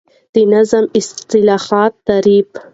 د نظام اصطلاحی تعریف